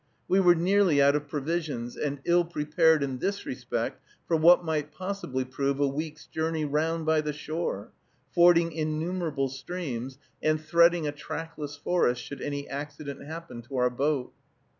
We were nearly out of provisions, and ill prepared in this respect for what might possibly prove a week's journey round by the shore, fording innumerable streams, and threading a trackless forest, should any accident happen to our boat.